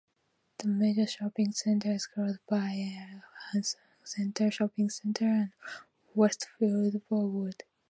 The major shopping centres close by are Bankstown Central Shopping Centre and Westfield Burwood.